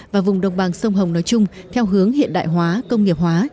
và vùng đồng bằng sông hồng nói chung theo hướng hiện đại hóa công nghiệp hóa